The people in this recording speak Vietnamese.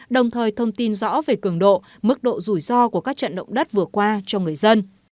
đồng thời thông tin rõ về cường độ mức độ rủi ro của các trận động đất vừa qua cho người dân